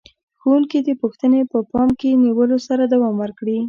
ښوونکي دې پوښتنې په پام کې نیولو سره دوام ورکړي.